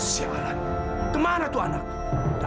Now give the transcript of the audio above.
si aran kemana tuh anak